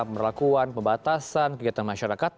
pemberlakuan pembatasan kegiatan masyarakat